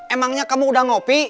emangnya kamu udah ngopi